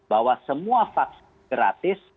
bahwa semua vaksin gratis